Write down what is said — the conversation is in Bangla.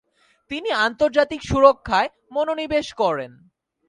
তিনি আন্তর্জাতিক সুরক্ষায় মনোনিবেশ করেন।